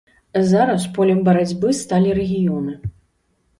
Зараз полем барацьбы сталі рэгіёны.